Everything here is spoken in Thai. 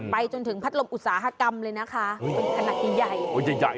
ไปจนถึงพัดลมอุตสาหกรรมเลยนะคะเป็นขนาดใหญ่